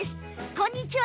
こんにちは！